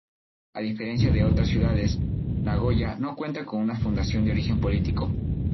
A diferencia de otras ciudades, Nogoyá no cuenta con una fundación de origen político.